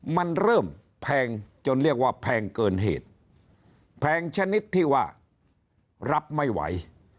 มันเริ่มแพงจนเรียกว่าแพงเกินเหตุแพงชนิดที่ว่ารับไม่ไหว